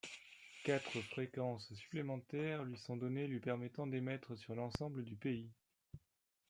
Quatre fréquences supplémentaires lui sont données lui permettant d'émettre sur l'ensemble du pays.